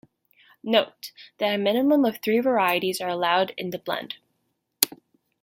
Note that a minimum of three varieties are allowed in the blend.